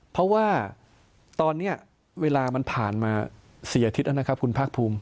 เพราะว่าตอนนี้เวลามันผ่านมา๔อาทิตย์แล้วนะครับคุณภาคภูมิ